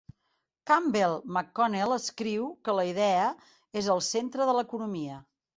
Campbell McConnell escriu que la idea és "al centre de l'economia".